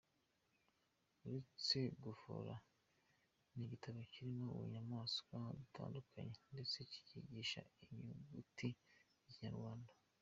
Uretse gufora, ni igitabo kirimo utunyamaswa dutandukanye, ndetse kikigisha n’inyuguti z’ikinyarwanda.